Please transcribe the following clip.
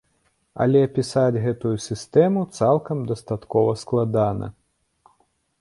Але апісаць гэтую сістэму цалкам дастаткова складана.